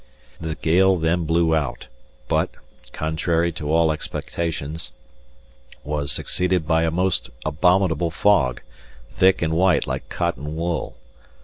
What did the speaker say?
The gale then blew out, but, contrary to all expectations, was succeeded by a most abominable fog, thick and white like cotton wool.